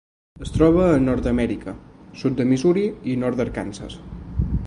Es troba a Nord-amèrica: sud de Missouri i nord d'Arkansas.